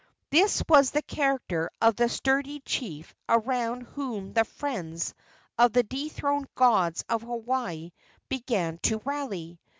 This was the character of the sturdy chief around whom the friends of the dethroned gods of Hawaii began to rally.